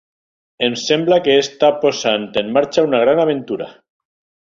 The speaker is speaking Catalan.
Em sembla que està posant en marxa una gran aventura.